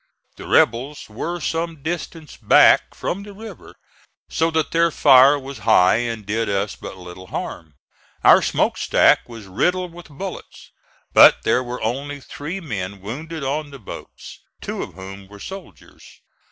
The rebels were some distance back from the river, so that their fire was high and did us but little harm. Our smoke stack was riddled with bullets, but there were only three men wounded on the boats, two of whom were soldiers.